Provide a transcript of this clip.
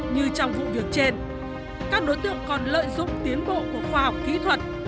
như trong vụ việc trên các đối tượng còn lợi dụng tiến bộ của khoa học kỹ thuật